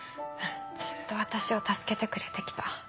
ずっと私を助けてくれて来た。